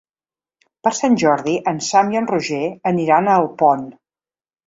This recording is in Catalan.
Per Sant Jordi en Sam i en Roger aniran a Alpont.